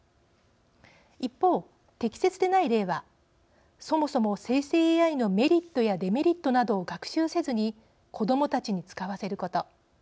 一方、適切でない例はそもそも、生成ＡＩのメリットやデメリットなどを学習せずに子どもたちに使わせること。